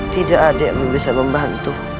tidak ada yang bisa membantu